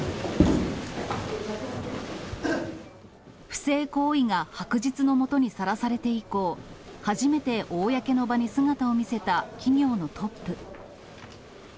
不正行為が白日の下にさらされて以降、初めて公の場に姿を見せた企業のトップ。